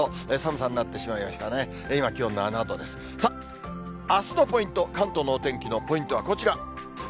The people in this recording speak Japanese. さあ、あすのポイント、関東のお天気のポイントはこちら。